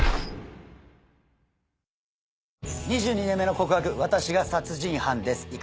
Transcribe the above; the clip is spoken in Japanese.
『２２年目の告白−私が殺人犯です−』